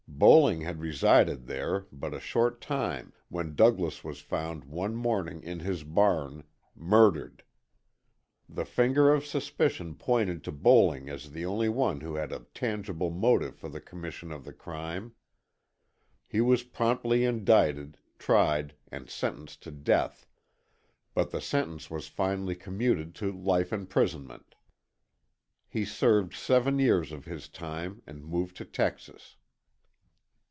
Bowling had resided there but a short time when Douglas was found one morning in his barn murdered. The finger of suspicion pointed to Bowling as the only one who had a tangible motive for the commission of the crime. He was promptly indicted, tried and sentenced to death, but the sentence was finally commuted to life imprisonment. He served seven years of his time and moved to Texas.